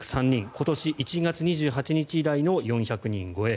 今年１月２８日以来の４００人超え。